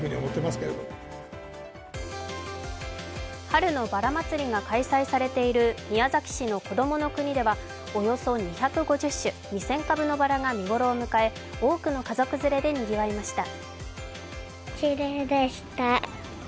春のバラまつりが開催されている宮崎市のこどものくにでは、およそ２５０種２０００株のばらが見頃を迎え、多くの家族連れでにぎわいました。